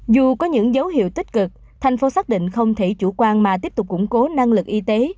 dù có những dấu hiệu tích cực thành phố xác định không thể chủ quan mà tiếp tục củng cố năng lực y tế